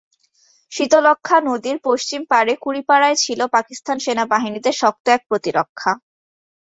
শীতলক্ষ্যা নদীর পশ্চিম পারে কুড়িপাড়ায় ছিল পাকিস্তান সেনাবাহিনীর শক্ত এক প্রতিরক্ষা।